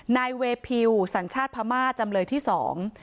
นายเวพิวสัญชาติพม่าจำเลยที่สอง